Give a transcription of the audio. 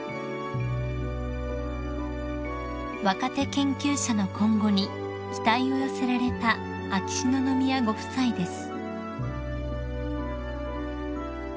［若手研究者の今後に期待を寄せられた秋篠宮ご夫妻です］